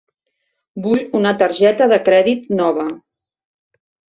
Vull una targeta de crèdit nova.